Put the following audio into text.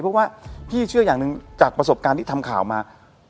เพราะว่าพี่เชื่ออย่างหนึ่งจากประสบการณ์ที่ทำข่าวมา